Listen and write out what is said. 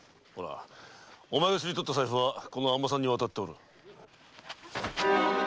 お前のスリとった財布はこの尼さんに渡っておる。